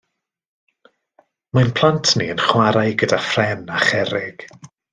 Mae'n plant ni yn chwarae gyda phren a cherrig.